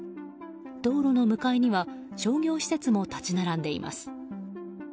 道路の向かいには商業施設も立ち並んでいます。